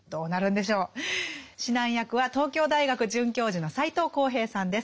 指南役は東京大学准教授の斎藤幸平さんです。